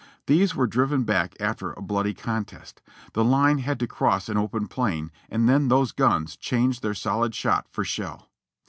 These were driven back after a bloody contest. The line had to cross an open plain, and then those guns changed their solid shot for shell.